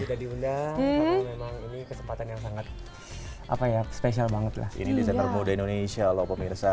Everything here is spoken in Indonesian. ini kesempatan yang sangat apa ya spesial banget lah ini desainer muda indonesia lho pemirsa